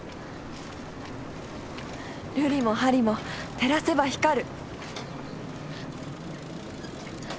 瑠璃も玻璃も照らせば光る！